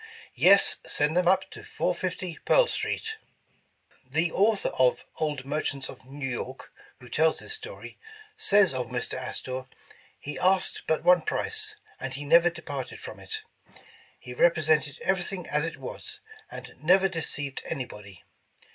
"Yes, send them up to 450 Pearl Street." The author of ''Old Merchants of New York," who tells this story," says Mr. Astor: "He asked but one price, and he never departed from it. He represented everything as it was, and never deceived anybody.